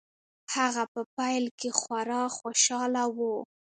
هغه په پيل کې خورا خوشحاله و.